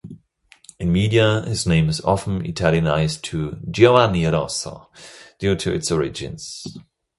In media, his name is often Italianized to Giovanni Rosso, due to its origins.